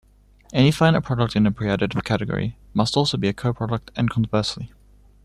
Any finite product in a preadditive category must also be a coproduct, and conversely.